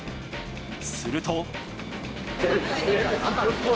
すると。